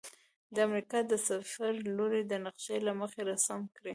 د امریکا د سفر لوري د نقشي له مخې رسم کړئ.